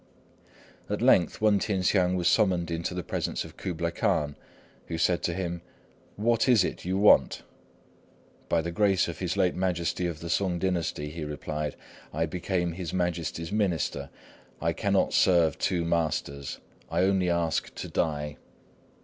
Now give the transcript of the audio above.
At length, Wên T'ien hsiang was summoned into the presence of Kublai Khan, who said to him, "What is it you want?" "By the grace of his late Majesty of the Sung dynasty," he replied, "I became his Majesty's minister. I cannot serve two masters. I only ask to die."